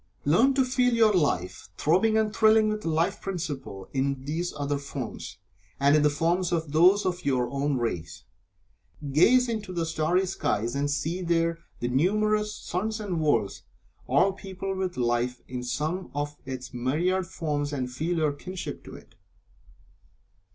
Learn to feel your Life throbbing and thrilling with the Life Principle in these other forms, and in the forms of those of your own race. Gaze into the starry skies and see there the numerous suns and worlds, all peopled with life in some of its myriad forms, and feel your kinship to it.